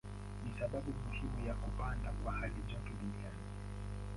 Ni sababu muhimu ya kupanda kwa halijoto duniani.